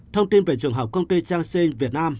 thông tin về trường hợp công ty changsheng việt nam